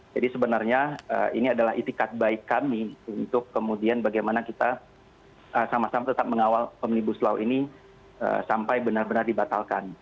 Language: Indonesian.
jadi sebenarnya ini adalah itikat baik kami untuk kemudian bagaimana kita sama sama tetap mengawal omnibus law ini sampai benar benar dibatalkan